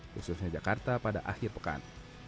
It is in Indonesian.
khususnya jakarta pada akhir pekan